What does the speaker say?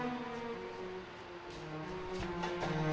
dia sudah pernah part de pl sighs